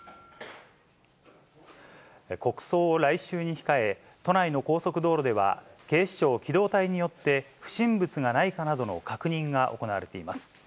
国葬を来週に控え、都内の高速道路では、警視庁機動隊によって、不審物がないかなどの確認が行われています。